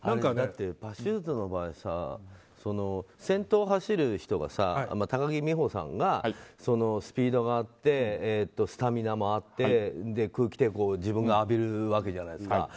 だってパシュートの場合さ先頭を走る人高木美帆さんがスピードがあってスタミナもあって空気抵抗を自分が浴びるわけじゃないですか。